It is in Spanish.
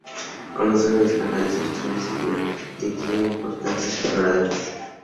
Conocedor de los canales australes, sirvió de guía a importantes exploradores.